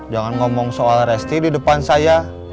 jangan ngomong soal resti di depan saya